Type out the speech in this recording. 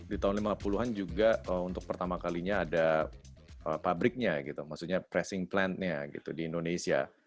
di tahun lima puluh an juga untuk pertama kalinya ada pabriknya gitu maksudnya pressing plan nya gitu di indonesia